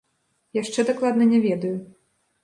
Яшчэ дакладна не ведаю.